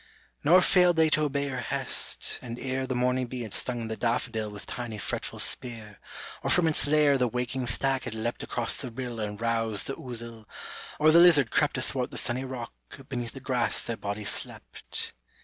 Nor failed they to obey her hest, and ere The morning bee had stung the daffodil With tiny fretful spear, or from its lair The waking stag had leapt across the rill And roused the ouzel, or the lizard crept Athwart the sunny rock, beneath the grass their bodies slept.